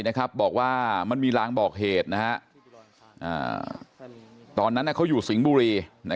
บอกว่ามันมีรางบอกเหตุตอนนั้นเขาอยู่สิงห์บุรี